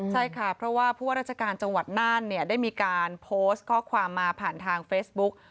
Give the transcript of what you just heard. ใช่ค่ะเพราะว่าผู้ว่าราชการจังหวัดน่านได้มีการโพสต์ข้อความมาผ่านทางเฟซบุ๊ก